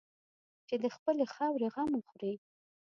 چې د خپلې خاورې غم وخوري.